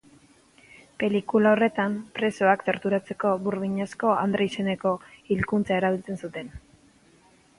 Pelikula horretan presoak torturatzeko Burdinazko Andrea izeneko hilkutxa erabiltzen zuten.